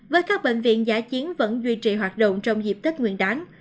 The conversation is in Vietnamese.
với các bệnh viện giả chiến vẫn duy trì hoạt động trong dịp tích nguyện đáng